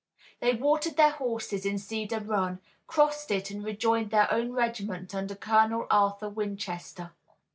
They watered their horses in Cedar Run, crossed it and rejoined their own regiment under Colonel Arthur Winchester.